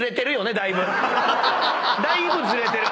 だいぶずれてる。